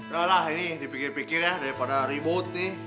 dahlah ini dipikir pikir ya daripada ribut nih